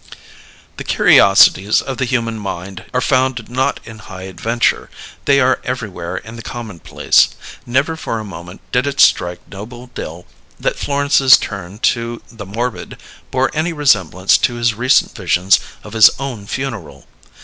The curiosities of the human mind are found not in high adventure: they are everywhere in the commonplace. Never for a moment did it strike Noble Dill that Florence's turn to the morbid bore any resemblance to his recent visions of his own funeral.